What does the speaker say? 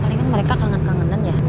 palingan mereka kangen kangenan ya